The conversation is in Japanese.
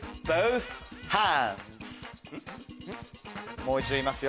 もう一度言いますよ。